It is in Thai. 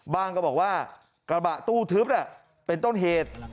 ก็บอกว่ากระบะตู้ทึบเป็นต้นเหตุ